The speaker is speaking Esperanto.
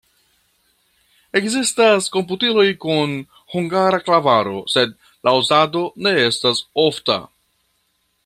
Ekzistas komputiloj kun hungara klavaro, sed la uzado ne estas ofta.